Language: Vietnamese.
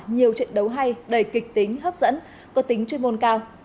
nhiều trận đấu hay đầy kịch tính hấp dẫn có tính chuyên môn cao